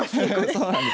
そうなんです。